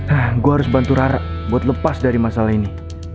ah gue harus bantu rara buat lepas dari masalah ini